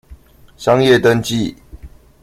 商業登記